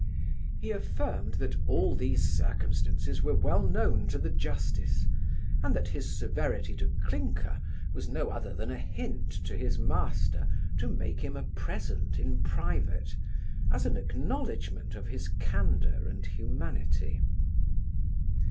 He affirmed, that all these circumstances were well known to the justice; and that his severity to Clinker was no other than a hint to his master to make him a present in private, as an acknowledgment of his candour and humanity.